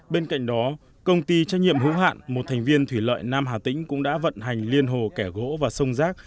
bên cạnh đó công ty trách nhiệm hữu hạn một thành viên thủy lợi nam hà tĩnh cũng đã vận hành liên hồ kẻ gỗ và sông rác